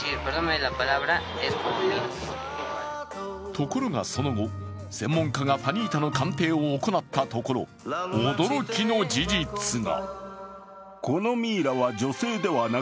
ところが、その後、専門家がファニータの鑑定を行ったところ、驚きの事実が。